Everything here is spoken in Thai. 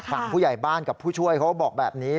ฝั่งผู้ใหญ่บ้านกับผู้ช่วยเขาบอกแบบนี้